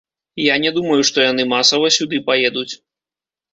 Я не думаю, што яны масава сюды паедуць.